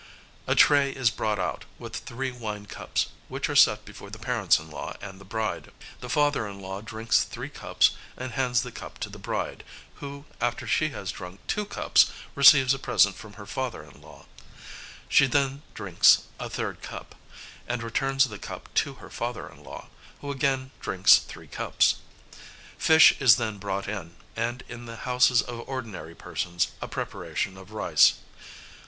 A tray is brought out, with three wine cups, which are set before the parents in law and the bride. The father in law drinks three cups and hands the cup to the bride, who, after she has drunk two cups, receives a present from her father in law; she then drinks a third cup, and returns the cup to her father in law, who again drinks three cups. Fish is then brought in, and, in the houses of ordinary persons, a preparation of rice.